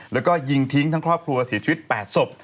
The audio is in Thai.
แล้วก็ยิงทิ้งทั้งครอบครัวเสียชีวิต๘ศพ